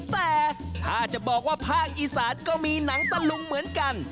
แต่ถ้าจะบอกว่าภาคอีสานก็มีหนังตะลุงเหมือนกัน